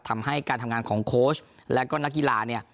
ทำให้การทำงานของโค้ชแล้วก็นักกีฬาเนี่ย